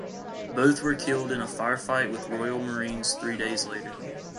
Both were killed in a firefight with Royal Marines three days later.